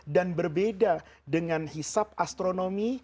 dan berbeda dengan hisab astronomi